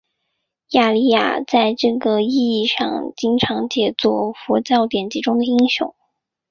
雅利亚在这个意义上经常解作佛教典籍中的英雄。